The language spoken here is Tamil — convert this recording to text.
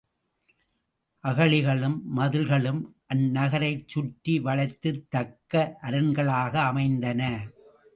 அகழிகளும், மதில்களும் அந்நகரைச் சுற்றி வளைத்துத் தக்க அரண்களாக அமைந்தன.